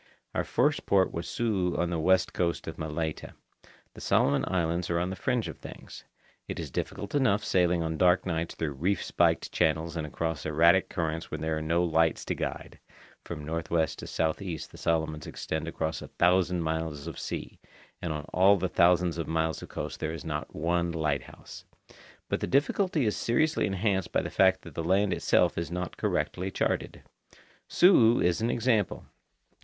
Our first port was Su'u on the west coast of Malaita. The Solomon Islands are on the fringe of things. It is difficult enough sailing on dark nights through reef spiked channels and across erratic currents where there are no lights to guide (from northwest to southeast the Solomons extend across a thousand miles of sea, and on all the thousands of miles of coasts there is not one lighthouse); but the difficulty is seriously enhanced by the fact that the land itself is not correctly charted. Su'u is an example.